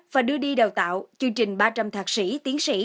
và đưa đi đào tạo chương trình ba trăm linh thạc sĩ tiến sĩ